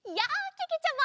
けけちゃま。